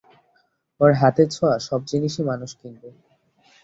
ওর হাতে ছোঁয়া সব জিনিসই মানুষ কিনবে।